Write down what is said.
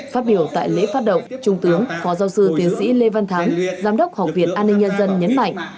phát biểu tại lễ phát động trung tướng phó giáo sư tiến sĩ lê văn thắng giám đốc học viện an ninh nhân dân nhấn mạnh